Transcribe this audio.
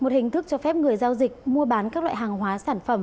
một hình thức cho phép người giao dịch mua bán các loại hàng hóa sản phẩm